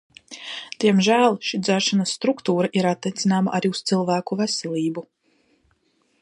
Diemžēl šī dzeršanas struktūra ir attiecināma arī uz cilvēku veselību.